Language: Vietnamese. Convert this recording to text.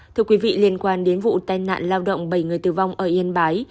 thưa quý vị liên quan đến vụ tai nạn lao động bảy người tử vong ở yên bái